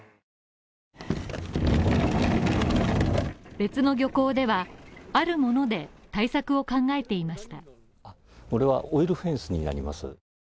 別の漁港では、あるもので対策を考えていました